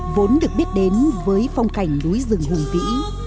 vốn được biết đến với phong cảnh núi rừng hùng vĩ